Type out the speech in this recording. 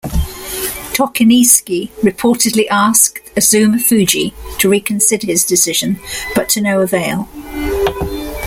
Tochinishiki reportedly asked Azumafuji to reconsider his decision, but to no avail.